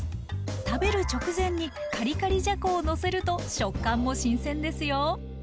食べる直前にカリカリじゃこをのせると食感も新鮮ですよ。